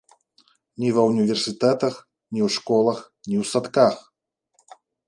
Ні ва ўніверсітэтах, ні ў школах, ні ў садках!